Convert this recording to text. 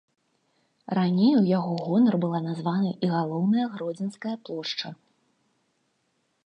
Раней у яго гонар была названа і галоўная гродзенская плошча.